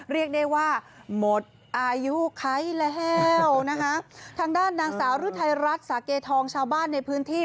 เรียกได้ว่าหมดอายุไขแล้วนะคะทางด้านนางสาวรุทัยรัฐสาเกทองชาวบ้านในพื้นที่